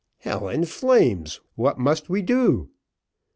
"Hell and flames! what must we do?"